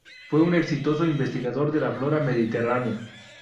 Fue un exitoso investigador de la flora mediterránea.